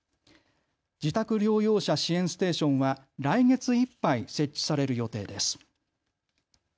自宅療養者支援ステーションは来月いっぱい設置される予定です。